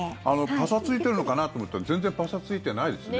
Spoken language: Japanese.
パサついてるのかなと思ったら全然パサついてないですね。